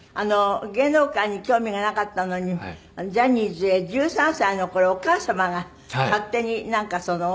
芸能界に興味がなかったのにジャニーズへ１３歳の頃お母様が勝手になんかその応募をしちゃったんですって？